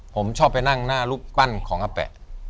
ผมชอบไปนั่งหน้ารูปปั้นของอาแปะ